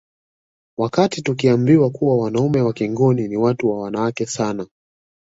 Wakati tukiambiwa kuwa wanaume wa Kingoni ni watu wa wanawake sana